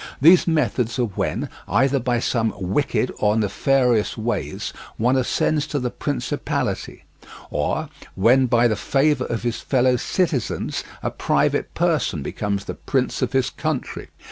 These methods are when, either by some wicked or nefarious ways, one ascends to the principality, or when by the favour of his fellow citizens a private person becomes the prince of his country.